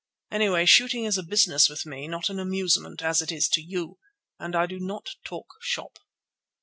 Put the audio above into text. Anyway, shooting is a business with me, not an amusement, as it is to you, and I do not talk shop."